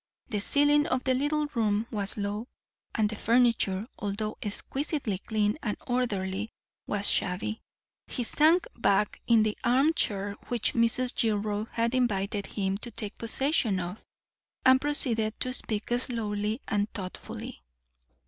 The ceiling of the little room was low, and the furniture, although exquisitely clean and orderly, was shabby. He sank back in the armchair which Mrs. Gilroy had invited him to take possession of, and proceeded to speak slowly and thoughtfully.